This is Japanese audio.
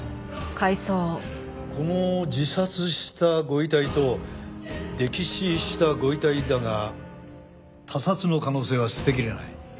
この自殺したご遺体と溺死したご遺体だが他殺の可能性は捨てきれない。